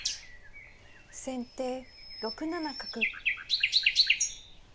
先手６七角。